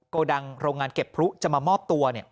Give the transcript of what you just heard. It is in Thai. โกดังโรงงานเก็บพลุจะมามอบตัว